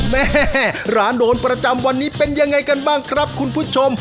แม่ร้านโดนประจำวันนี้เป็นยังไงกันบ้างครับคุณผู้ชม